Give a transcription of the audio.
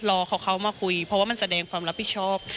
รอเขามาคุยเพราะว่ามันแสดงความรับผิดชอบ